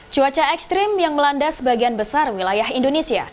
cuaca ekstrim yang melanda sebagian besar wilayah indonesia